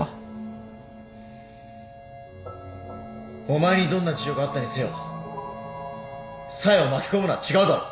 お前にどんな事情があったにせよ冴を巻き込むのは違うだろ！